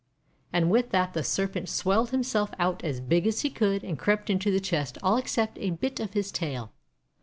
And with that the Serpent swelled himself out as big as he could, and crept into the chest all except a bit of his tail.